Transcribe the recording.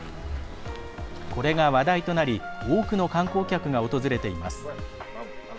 これが話題となり多くの観光客が訪れています。